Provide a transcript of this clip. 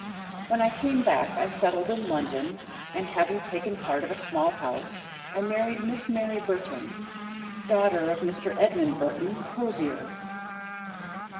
When I came back I settled in London, and, having taken part of a small house, I married Miss Mary Burton, daughter of Mr. Edmund Burton, hosier.